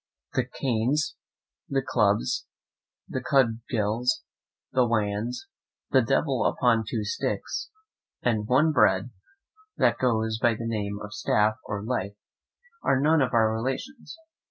"N.B. The Canes, the Clubs, the Cudgels, the Wands, the Devil upon two Sticks, and one Bread, that goes by the name of Staff of Life, are none of our relations.